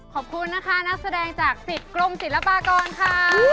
ขอบคุณนะคะนักแสดงจากสิทธิ์กรมศิลปากรค่ะ